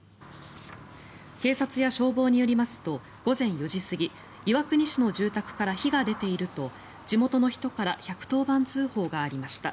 警察や消防によりますと午前４時過ぎ岩国市の住宅から火が出ていると地元の人から１１０番通報がありました。